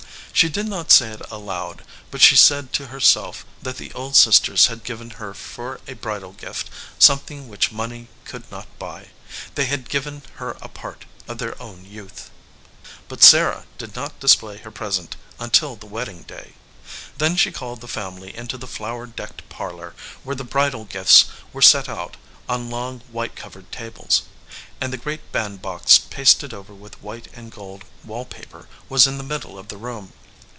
She did not say it aloud, but she said to herself that the old sisters had given her for a bridal gift something which money could not buy. They had given her a part of their own youth. But Sarah did not display her present until the wedding day. Then she called the family into the flower decked parlor, where the bridal gifts were set out on long white covered tables, and the great bandbox pasted over with white and gold wall paper was in the middle of the room.